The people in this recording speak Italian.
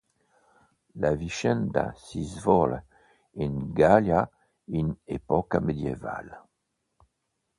La vicenda si svolge in Gallia in epoca medievale.